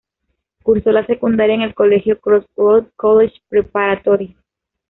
Cursó la secundaria en el colegio Crossroads College Preparatory.